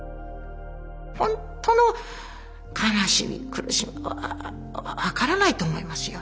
ほんとの悲しみ苦しみは分からないと思いますよ。